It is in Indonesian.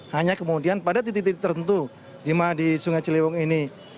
hanya kemudian pada titik titik tertentu di sungai ciliwung ini